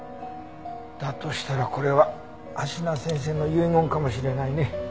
だとしたらこれは芦名先生の遺言かもしれないね。